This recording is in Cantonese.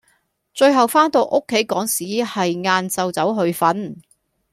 最後返到屋企個時係晏晝走去瞓